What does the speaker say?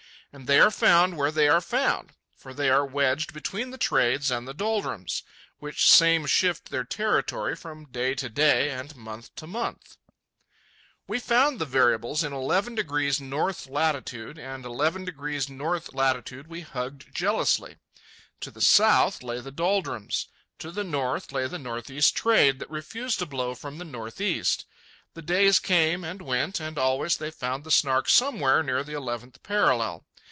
And they are found where they are found; for they are wedged between the trades and the doldrums, which same shift their territory from day to day and month to month. We found the variables in 11° north latitude, and 11° north latitude we hugged jealously. To the south lay the doldrums. To the north lay the northeast trade that refused to blow from the northeast. The days came and went, and always they found the Snark somewhere near the eleventh parallel.